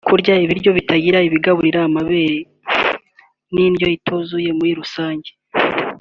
kurya ibiryo bitagira ibigaburira amabere n’indyo ituzuye muri rusange